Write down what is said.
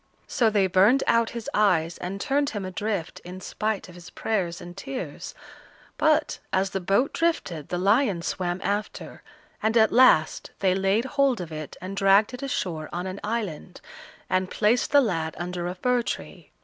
So they burned out his eyes and turned him adrift, in spite of his prayers and tears; but, as the boat drifted, the lions swam after, and at last they laid hold of it and dragged it ashore on an island, and placed the lad under a fir tree.